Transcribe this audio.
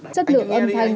chất lượng âm thanh